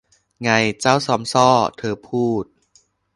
ไง เจ้าซอมซ่อ เธอพูด